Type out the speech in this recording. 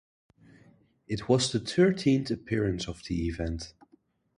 It was the thirteenth appearance of the event.